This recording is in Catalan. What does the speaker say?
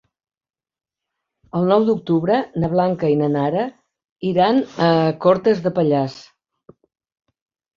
El nou d'octubre na Blanca i na Nara iran a Cortes de Pallars.